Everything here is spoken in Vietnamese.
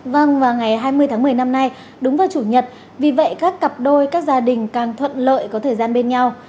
vâng vào ngày hai mươi tháng một mươi năm nay đúng vào chủ nhật vì vậy các cặp đôi các gia đình càng thuận lợi có thời gian bên nhau